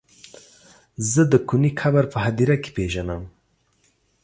زه د کوني قبر په هديره کې پيژنم.